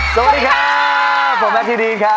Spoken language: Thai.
สวัสดีค่ะสวัสดีค่ะผมแม็กซ์ที่ดีนค่ะ